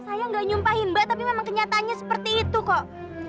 saya nggak nyumpahin mbak tapi memang kenyataannya seperti itu kok